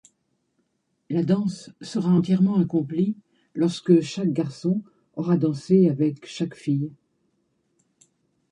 La danse sera entièrement accomplie lorsque chaque garçon aura dansé avec chaque fille.